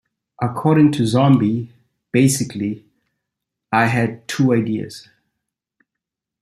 According to Zombie, Basically, I had two ideas.